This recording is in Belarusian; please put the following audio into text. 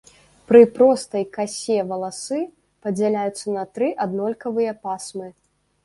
Пры простай касе валасы падзяляюцца на тры аднолькавыя пасмы.